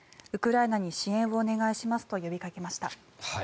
ウクライナに支援をお願いしますと呼びかけました。